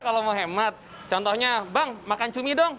kalau mau hemat contohnya bang makan cumi dong